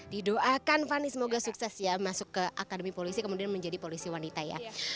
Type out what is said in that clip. didoakan fani semoga sukses ya masuk ke akademi polisi kemudian menjadi polisi wanita ya